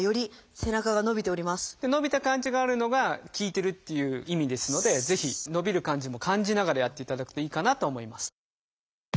伸びた感じがあるのが効いてるっていう意味ですのでぜひ伸びる感じも感じながらやっていただくといいかなと思います。